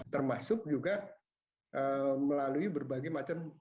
termasuk juga melalui berbagai macam